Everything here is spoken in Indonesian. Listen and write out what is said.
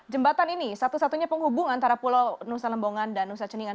jembatan ini satu satunya penghubung antara pulau nusa lembongan dan nusa ceningan